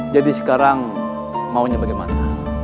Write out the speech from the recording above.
jadi sekarang maunya bagaimana